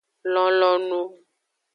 Lonlonu.